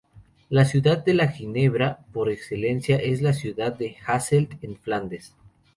La ciudad de la ginebra por excelencia es la ciudad de Hasselt en Flandes.